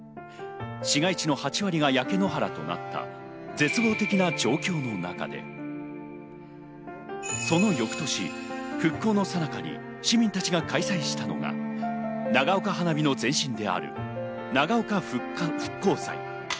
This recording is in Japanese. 市街地の８割が焼け野原となった絶望的な状況の中で、その翌年、復興の最中に市民たちが開催したのが長岡花火の前身である長岡復興祭。